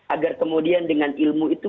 agar kemudian dengan ilmu itu